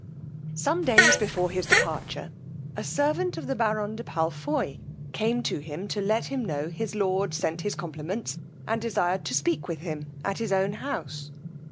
Some few days before his departure, a servant of the baron de Palfoy came to him to let him know his lord sent his compliments, and desired to speak with him at his own house.